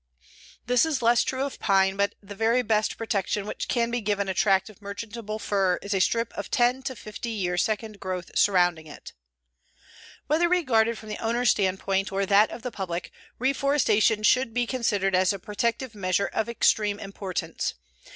This is less true of pine, but the very best protection which can be given a tract of merchantable fir is a strip of 10 to 50 year second growth surrounding it. Whether regarded from the owner's standpoint or that of the public, reforestation should be considered as a protective measure of extreme importance.